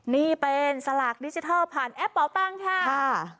นี่เป็นสลากดิจิทัลผ่านแอปเป่าตังค์ค่ะ